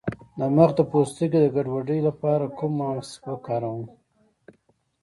د مخ د پوستکي د ګډوډۍ لپاره کوم ماسک وکاروم؟